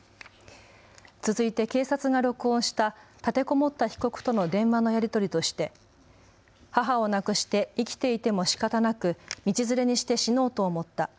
続いて警察が録音した立てこもった被告との電話のやり取りとして母を亡くして生きていてもしかたなく道連れにして死のうと思った。